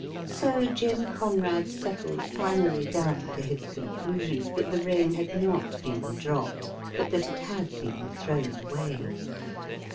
So Jim Conrad settled finally down to his conclusion that the ring had not been dropped, but that it had been thrown away.